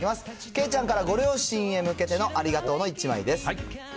けいちゃんからご両親へ向けてのありがとうの１枚です。